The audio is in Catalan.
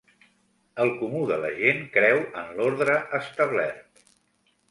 El comú de la gent creu en l'ordre establert.